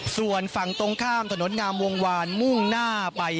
ส่วนฝั่งตรงข้ามถนนงามวงวานมุ่งหน้าไป